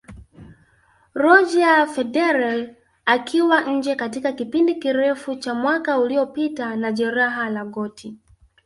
Roger Federer akiwa nje katika kipindi kirefu cha mwaka uliopita na Jeraha la goti